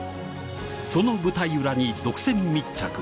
その舞台裏に独占密着